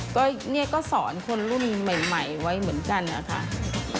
ก็เนี่ยก็สอนคนรุ่นใหม่ไว้เหมือนกันนะคะ